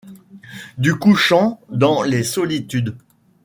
Du couchant dans les solitudes.